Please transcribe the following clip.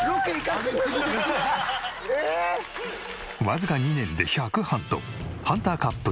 わずか２年で１００ハント。